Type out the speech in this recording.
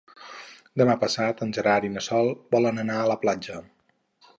Demà passat en Gerard i na Sol volen anar a la platja.